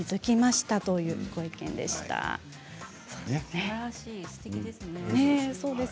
すばらしい、すてきですね。